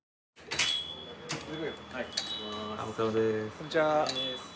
こんちは。